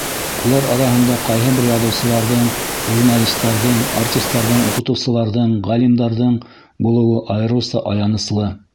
Улар араһында ҡайһы бер яҙыусыларҙың, журналистарҙың, артистарҙың, уҡытыусыларҙың, ғалимдарҙың булыуы айырыуса аяныслы.